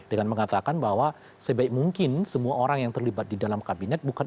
dan mengatakan bahwa sebaik mungkin semua orang yang terlibat di dalam kabinet bukan